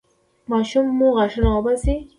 ماشوم مو غاښونه وباسي؟